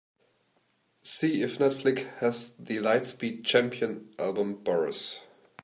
See if Netflix has the Lightspeed Champion album boris